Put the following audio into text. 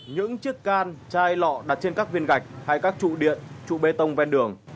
những chiếc can chai lọ đặt trên các viên gạch hay các trụ điện trụ bê tông ven đường